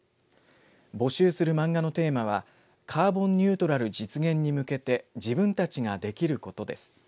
募集する漫画のテーマはカーボンニュートラル実現に向けて自分たちができることです。